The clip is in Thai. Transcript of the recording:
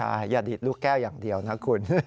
ใช่อย่าดีดลูกแก้วอย่างเดียวนะคุณ